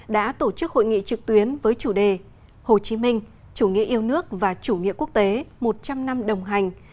đã tổ chức hội nghị trực tuyến với chủ đề hồ chí minh chủ nghĩa yêu nước và chủ nghĩa quốc tế một trăm linh năm đồng hành